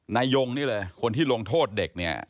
นายงนี่เลยคนที่ลงโทษเด็กเนี่ย